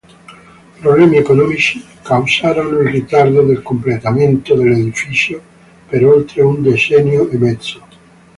Problemi economici causarono il ritardo nel completamento dell'edificio per oltre un decennio e mezzo.